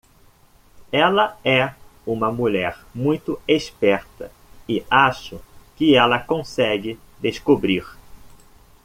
Ela é uma mulher muito esperta, e acho que ela consegue descobrir.